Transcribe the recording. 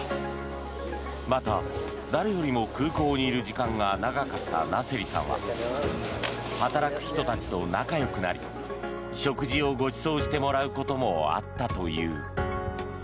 また、誰よりも空港にいる時間が長かったナセリさんは働く人たちと仲よくなり食事をごちそうしてもらうこともあったという。